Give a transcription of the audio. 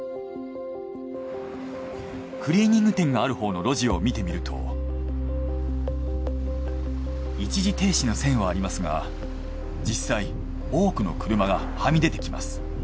クリーニング店があるほうの路地を見てみると一時停止の線はありますが実際多くの車がはみ出てきます。